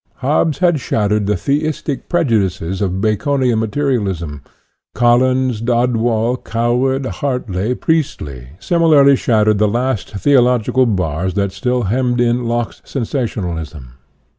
" Hobbes had shattered the theistic prejudices of Baconian materialism; Collins, Dodwall, Coward, Hartley, Priestley similarly shattered the last theological bars that still hemmed in Locke's sensationalism.